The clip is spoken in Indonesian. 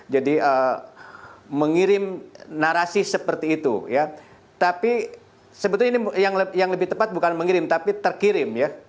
jadi mengirim narasi seperti itu ya tapi sebetulnya yang lebih tepat bukan mengirim tapi terkirim ya